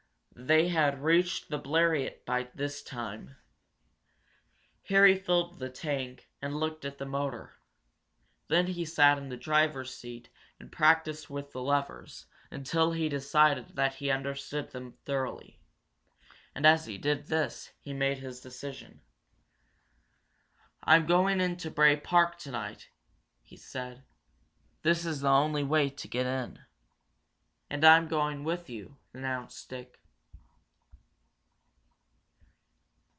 They had reached the Bleriot by that time. Harry filled the tank, and looked at the motor. Then he sat in the driver's seat and practiced with the levers, until he decided that he understood them thoroughly. And, as he did this, he made his decision. "I'm going into Bray Park tonight," he said. "This is the only way to get in." "And I'm going with you," announced Dick.